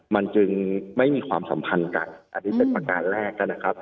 มันจึงไม่มีความสัมพันธ์กันอันนี้เป็นประการแรกนะครับ